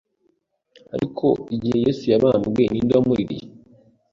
Ariko igihe Yesu yabambwe ninde wamuririye